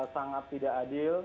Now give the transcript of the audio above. sangat tidak adil